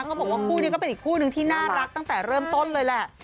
เขาบอกว่าคู่นี้ก็เป็นอีกคู่นึงที่น่ารักตั้งแต่เริ่มต้นเลยแหละ